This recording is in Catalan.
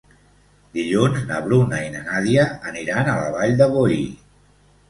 Dilluns na Bruna i na Nàdia aniran a la Vall de Boí.